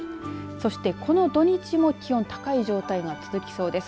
そしてこの土日も気温高い状態が続きそうです。